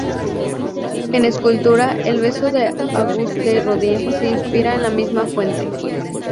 En escultura, El Beso de Auguste Rodin se inspira en la misma fuente.